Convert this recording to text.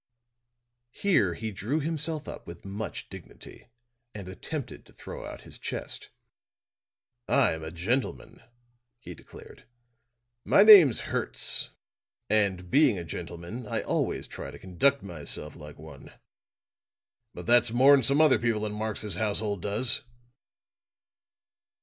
Here he drew himself up with much dignity and attempted to throw out his chest. "I'm a gentleman," he declared. "My name's Hertz. And being a gentleman, I always try and conduct myself like one. But that's more'n some other people in Marx's household does."